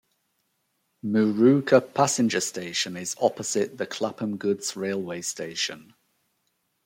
Moorooka passenger station is opposite the Clapham goods railway station.